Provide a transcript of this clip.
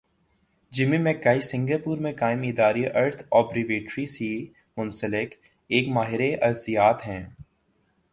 Jamie مک کائی Singapore میں قائم اداری ارتھ آبرو یٹری سی منسلک ایک ماہر ارضیات ہیں۔